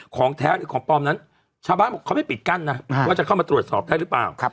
ของแท้หรือของปลอมนั้นชาวบ้านบอกเขาไม่ปิดกั้นนะว่าจะเข้ามาตรวจสอบได้หรือเปล่า